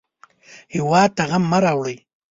هېواد ته غم مه راوړئ